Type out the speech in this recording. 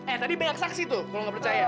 eh tadi banyak saksi tuh kalau nggak percaya